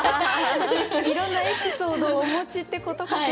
いろんなエピソードをお持ちってことかしら？